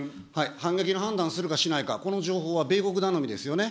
反撃の判断するかしないか、この情報は米国頼みですよね。